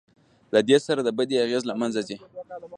له دې سره د بدۍ اغېز له منځه ځي.